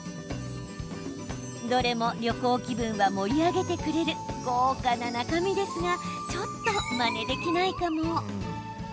どれも、旅行気分は盛り上げてくれる豪華な中身ですがちょっと、まねできないかも。